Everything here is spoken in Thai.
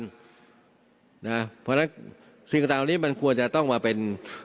เพราะฉะนั้นสิ่งต่างนี้มันควรจะต้องมาเป็น